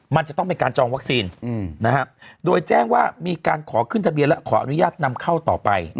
มันจะต้องเป็นการจองวัคซีนโดยแจ้งว่ามีการขอขึ้นทะเบียนและขออนุญาตนำเข้าต่อไป